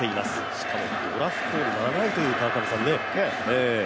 しかもドラフト７位という。